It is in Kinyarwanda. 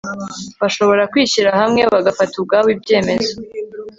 bashobora kwishyira hamwe bagafata ubwabo ibyemezo